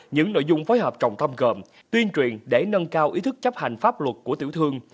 những nội dung phối hợp trọng tâm gồm tuyên truyền để nâng cao ý thức chấp hành pháp luật của tiểu thương